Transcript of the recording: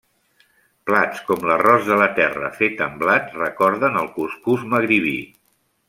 Plats com l'arròs de la terra, fet amb blat, recorden el cuscús magribí.